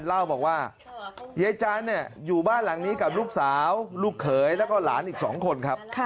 เล่าบอกว่ายายจานอยู่บ้านหลังนี้กับลูกสาวลูกเขยแล้วก็หลานอีก๒คนครับ